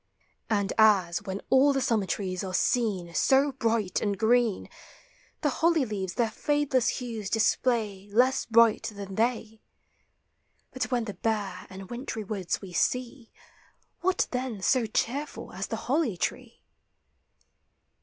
And as, when all the summer trees are seen So bright and green, TREEH: FLOWERS: PLANTS. 223 The holly leaves their fadeless hues display Less bright than they ; But when the bare and wintry woods we see, What then so cheerful as the holly tree?